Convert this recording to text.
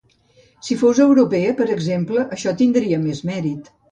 Si fos europea, per exemple, això tindria més mèrit.